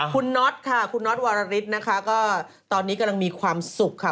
คุณนอทวารริสตอนนี้กำลังมีความสุขค่ะ